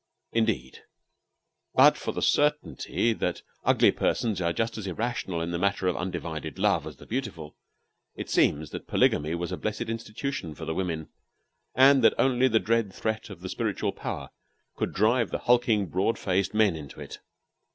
In deed, but for the certainty that ugly persons are just as irrational in the matter of undivided love as the beautiful, it seems that polygamy was a blessed institution for the women, and that only the dread threats of the spiritual power could drive the hulking, board faced men into it.